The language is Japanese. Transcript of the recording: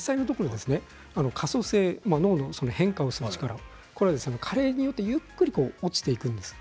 可塑性、変化をする力は加齢によってゆっくり落ちていくんです。